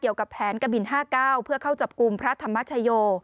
ไม่มีภาคเกี่ยวกับแผนกระบิน๕๙เพื่อเข้าจับกลุ่มพระธรรมชโย